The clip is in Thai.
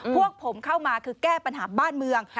พวกผมเข้ามาคือแก้ปัญหาบ้านเมือง